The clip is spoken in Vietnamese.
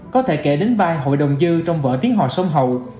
có thể kể đến vai hội đồng dư trong vở tiếng hòa sông hậu